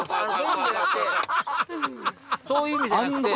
そういう意味じゃなくて。